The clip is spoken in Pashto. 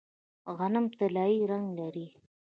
غنم طلایی رنګ لري.